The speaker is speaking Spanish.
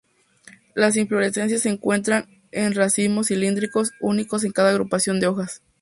Las inflorescencias se encuentran en racimos cilíndricos, únicos en cada agrupación de hojas.